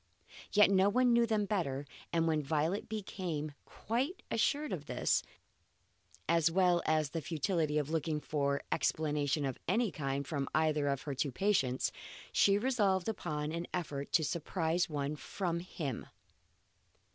Yet no one knew them better, and when Violet became quite assured of this, as well as of the futility of looking for explanation of any kind from either of her two patients, she resolved upon an effort to surprise one from him.